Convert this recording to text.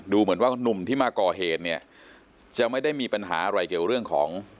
เหมือนว่าหนุ่มที่มาก่อเหตุเนี่ยจะไม่ได้มีปัญหาอะไรเกี่ยวเรื่องของ